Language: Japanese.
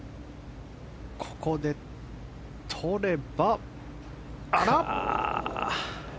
ここで取れば。